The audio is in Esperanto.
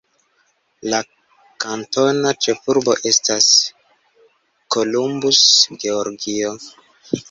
La kantona ĉefurbo estas Columbus, Georgio.